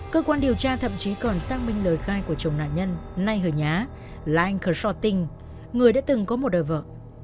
cơ quan điều tra thậm chí còn xác minh lời khai của chồng nạn nhân nay hời nhá là anh cờ sọ tinh người đã từng có một đời vợ